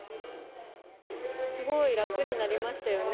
すごい楽になりましたよね。